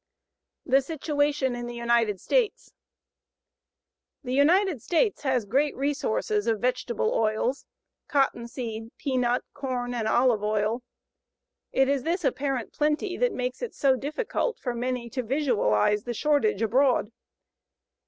THE SITUATION IN THE UNITED STATES The United States has great resources of vegetable oils, cottonseed, peanut, corn, and olive oil. It is this apparent plenty that makes it so difficult for many to visualize the shortage abroad.